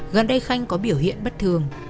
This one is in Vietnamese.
gần đây khanh có biểu hiện bất thường